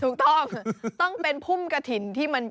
ถูกต้องต้องเป็นพุ่มกระถิ่นที่มัน